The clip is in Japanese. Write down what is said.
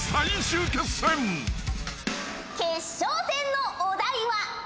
決勝戦のお題は。